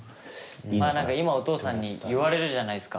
まあ何か今お父さんに言われるじゃないですか。